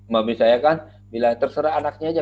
mami saya bilang terserah anaknya saja